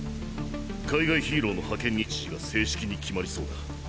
海外ヒーローの派遣日時が正式に決まりそうだ。